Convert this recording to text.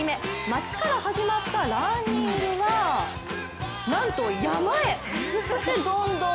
街から始まったランニングはなんと山へ。